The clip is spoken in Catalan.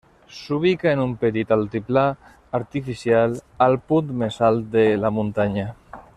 S'ubica en un petit altiplà artificial, al punt més alt de la muntanya.